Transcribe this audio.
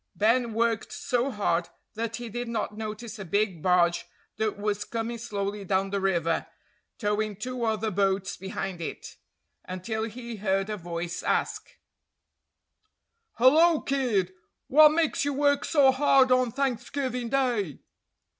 Ben worked so hard that he did not notice a big barge that was coming slowly down the river, towing two other boats behind it, until he heard a voice ask: "Hullo, kid! What makes you work so hard on Thanksgiving day?"